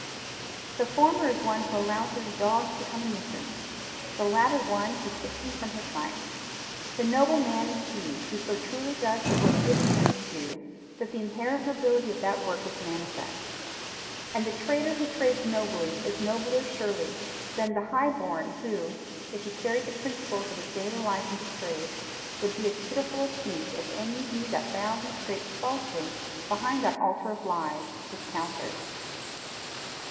The former is one who allows his dog to become a nuisance, the latter one who kicks him from his sight. The noble man is he who so truly does the work given him to do that the inherent nobility of that work is manifest. And the trader who trades nobly is nobler surely than the high born who, if he carried the principles of his daily life into trade, would be as pitiful a sneak as any he that bows and scrapes falsely behind that altar of lies, his counter."